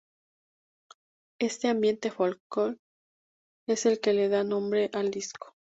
Este ambiente folk es el que le da nombre al disco.